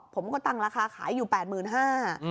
ผมก็จับราคาขายอยู่๘๕บาท